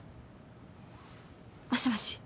もしもし？